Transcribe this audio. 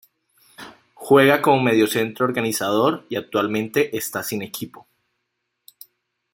Juega como mediocentro organizador y actualmente está sin equipo.